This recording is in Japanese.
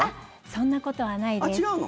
そんなことはないです。